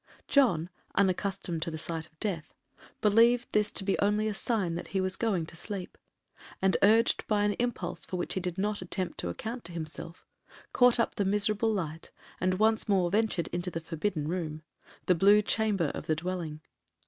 John, unaccustomed to the sight of death, believed this to be only a sign that he was going to sleep; and, urged by an impulse for which he did not attempt to account to himself, caught up the miserable light, and once more ventured into the forbidden room,—the blue chamber of the dwelling.